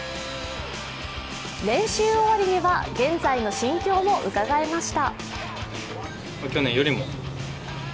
練習終わりには現在の心境も伺えました。